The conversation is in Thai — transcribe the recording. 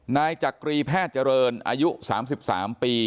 นายจักรีแพทย์เจริญอายุ๓๓ปี